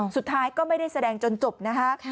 สุดท้ายก็ไม่ได้แสดงจนจบนะคะ